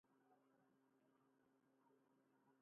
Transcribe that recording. Quan hi havia algun mosso llogat de poc